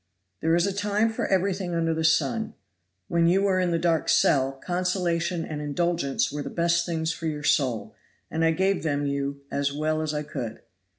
"There is a time for everything under the sun. When you were in the dark cell, consolation and indulgence were the best things for your soul, and I gave them you as well as I could.